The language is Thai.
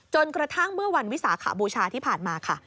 กระทั่งเมื่อวันวิสาขบูชาที่ผ่านมาค่ะ